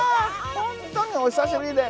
本当にお久しぶりで。